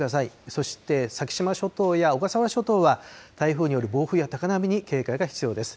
そして先島諸島や小笠原諸島は台風による暴風や高波に警戒が必要です。